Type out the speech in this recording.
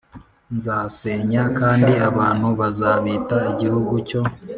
nzasenya kandi abantu bazabita Igihugu cyo